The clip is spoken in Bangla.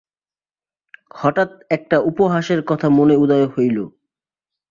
হঠাৎ একটা উপহাসের কথা মনে উদয় হইল।